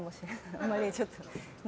あんまりちょっとね。